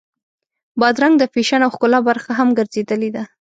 بادرنګ د فیشن او ښکلا برخه هم ګرځېدلې ده.